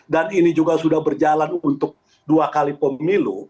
dan ini juga sudah berjalan untuk dua kali pemilu